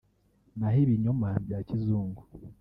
naho ibinyoma bya kizungu